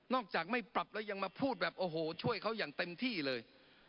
จากไม่ปรับแล้วยังมาพูดแบบโอ้โหช่วยเขาอย่างเต็มที่เลย